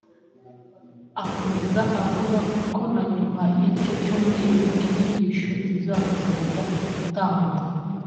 Akomeza avuga kona nyuma y’icyo cyumweru inyigishozizakomeza gutangwa